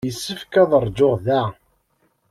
Yessefk ad ṛjuɣ da.